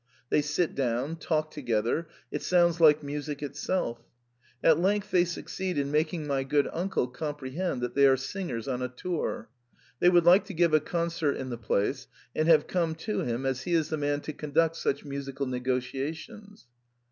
They sit down, talk together — it sounds like music itself. At length they succeed in making my good uncle com prehend that they are singers on a tour ; they would like to give a concert in the place, and have come to him, as he is the man to conduct such musical negotia tions.